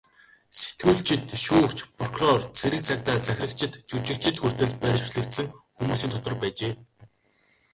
Сэтгүүлчид, шүүгч, прокурор, цэрэг цагдаа, захирагчид, жүжигчид хүртэл баривчлагдсан хүмүүсийн дотор байжээ.